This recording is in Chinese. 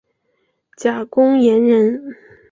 贾公彦人。